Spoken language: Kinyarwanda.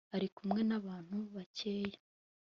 ari kumwe n'abantu bakeya